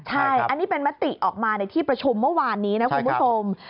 ใช่อันนี้เป็นมติออกมาในที่ประชุมเมื่อวานนี้นะคุณผู้ชม